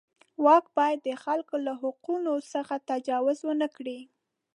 واک باید د خلکو له حقونو څخه تجاوز ونه کړي.